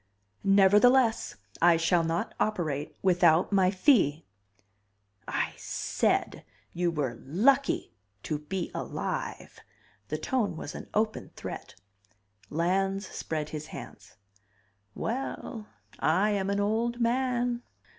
"Nevertheless I shall not operate without my fee." "I said you were lucky to be alive " The tone was an open threat. Lans spread his hands. "Well I am an old man...."